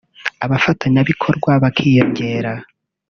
abafatanyabikorwa bakiyongera